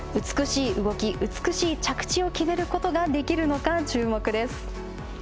美しい動き、美しい着地を決めることができるのか注目です。